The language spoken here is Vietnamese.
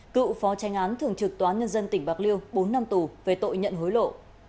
cựu phó tranh án thường trực tòa án nhân dân tỉnh bạc liêu bốn năm tù về tội nhận hối lộ